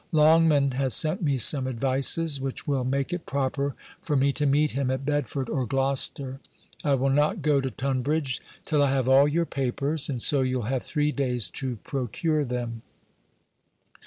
Longman has sent me some advices, which will make it proper for me to meet him at Bedford or Gloucester. I will not go to Tunbridge, till I have all your papers; and so you'll have three days to procure them.